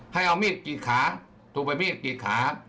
ให้เอามีดกรีดขาถูกไปมีดกรีดขา